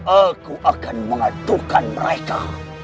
aku akan mengatukan mereka